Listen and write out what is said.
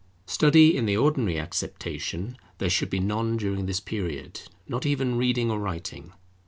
Study, in the ordinary acceptation, there should be none during this period, not even reading or writing.